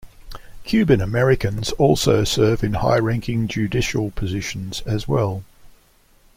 Cuban-Americans also serve in high-ranking judicial positions as well.